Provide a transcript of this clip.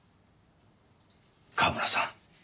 川村さん